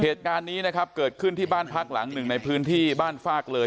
เหตุการณ์นี้นะครับเกิดขึ้นที่บ้านพักหลังหนึ่งในพื้นที่บ้านฟากเลย